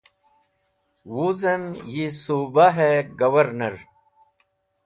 Wuzem yi Subahe Governor